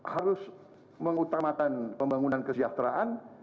harus mengutamakan pembangunan kesejahteraan